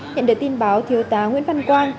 nhận được tin báo thiêu tá nguyễn văn quang